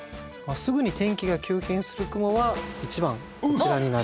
すぐに天気が急変する雲は１番こちらになります。